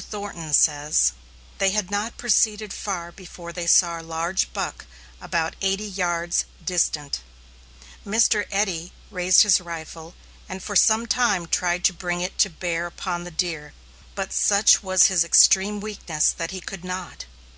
Q. Thornton says: They had not proceeded far before they saw a large buck about eighty yards distant. Mr. Eddy raised his rifle and for some time tried to bring it to bear upon the deer, but such was his extreme weakness that he could not.